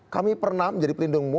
kami pernah menjadi pelindungmu